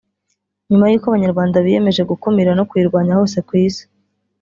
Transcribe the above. nyuma y’uko Abanyarwanda biyemeje guyikumira no kuyirwanya hose ku Isi